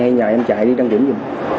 họ hay nhờ em chạy đi đăng kiểm dùm